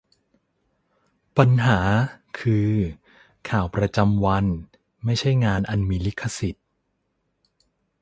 'ปัญหา' คือ ข่าวประจำวัน ไม่ใช่งานอันมีลิขสิทธิ์